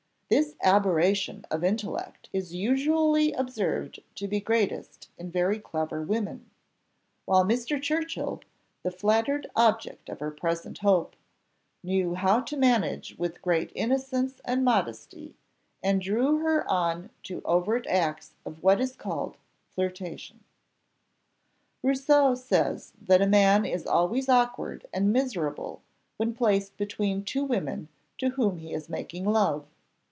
This aberration of intellect is usually observed to be greatest in very clever women; while Mr. Churchill, the flattered object of her present hope, knew how to manage with great innocence and modesty, and draw her on to overt acts of what is called flirtation. Rousseau says that a man is always awkward and miserable when placed between two women to whom he is making love.